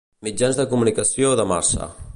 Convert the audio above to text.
Mitjans de comunicació de massa.